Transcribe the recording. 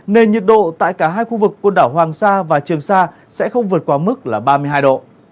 nền nhiệt độ tại cả hai khu vực quần đảo hoàng sa và trường sa sẽ không vượt qua mức là ba mươi hai độ